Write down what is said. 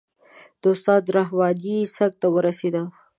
د استاد رحماني څنګ ته ور ورسېدم.